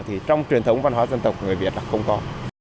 thì trong truyền thống văn hóa dân tộc người việt là không có